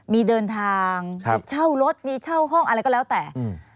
มีเดินทางมีเช่ารถมีเช่าห้องอะไรก็แล้วแต่อืม